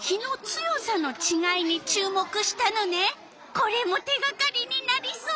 これも手がかりになりそう。